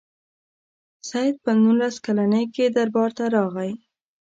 سید په نولس کلني کې دربار ته راغی.